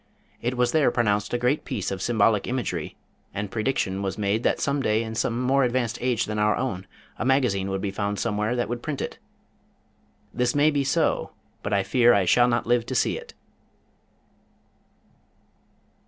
It was there pronounced a great piece of symbolic imagery, and prediction was made that some day in some more advanced age than our own, a Magazine would be found somewhere that would print it. This may be so, but I fear I shall not live to see it.